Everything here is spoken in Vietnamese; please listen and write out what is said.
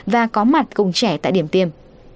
và có mặt cùng trẻ tại điểm tiêm